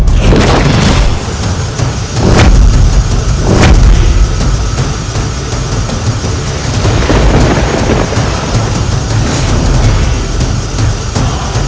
jangan bercepat curah